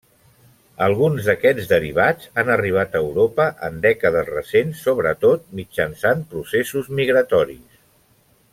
Alguns d'aquests derivats han arribat a Europa en dècades recents, sobretot mitjançant processos migratoris.